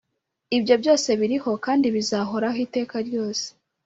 Ibyo byose biriho kandi bizahoraho iteka ryose,